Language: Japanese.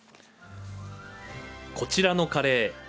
こちらのカレー。